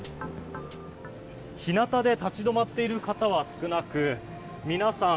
日なたで立ち止まっている方は少なくみなさん